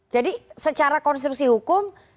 jadi secara konstitusi hukum